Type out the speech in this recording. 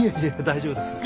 大丈夫です。